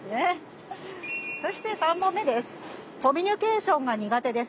そして３問目です。